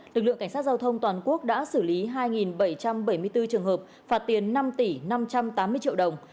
lực lượng cảnh sát giao thông toàn quốc đã xử lý hai bảy trăm bảy mươi bốn trường hợp phạt tiền năm tỷ năm trăm tám mươi triệu đồng